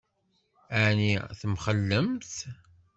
Ɛni temxellemt?